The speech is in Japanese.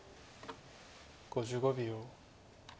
５５秒。